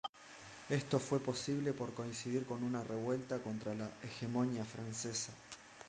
Esto fue posible por coincidir con una revuelta contra la hegemonía francesa.